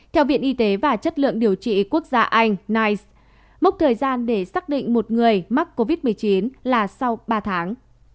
theo viện y tế và chất lượng điều trị quốc gia anh nige mốc thời gian để xác định một người mắc covid một mươi chín là sau ba tháng